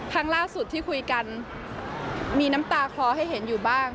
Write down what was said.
ครั้งล่าสุดที่คุยกันมีน้ำตาคลอให้เห็นอยู่บ้าง